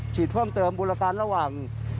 ฉีดเพิ่มเติมบูรการระหว่าง